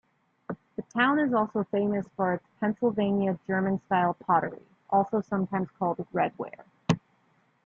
The town is also famous for its Pennsylvania German-style pottery, also sometimes called redware.